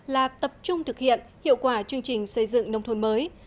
là tập trung thực hiện hiệu quả chương trình xây dựng nông thôn mới